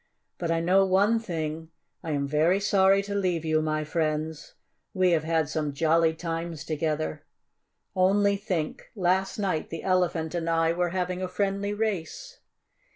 "But I know one thing: I am very sorry to leave you, my friends. We have had some jolly times together. Only think last night the Elephant and I were having a friendly race!"